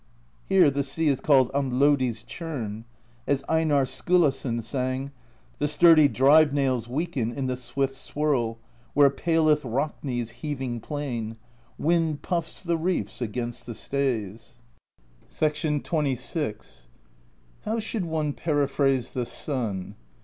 Here the sea is called Amlodi's Churn. As Einarr Skulason sang: The sturdy drive nails weaken In the swift swirl, where paleth Rakni's Heaving Plain: wind Puffs the reefs against the stays. XXVI. "How should one periphrase the sun?